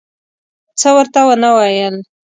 څه ورته ونه ویل.